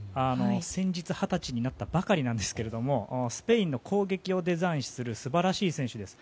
先日二十歳になったばかりなんですがスペインの攻撃をデザインする素晴らしい選手です。